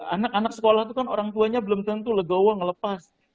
anak anak sekolah itu kan orang tuanya belum tentu legowo ngelepas